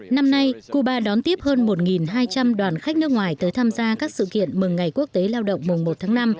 năm nay cuba đón tiếp hơn một hai trăm linh đoàn khách nước ngoài tới tham gia các sự kiện mừng ngày quốc tế lao động mùng một tháng năm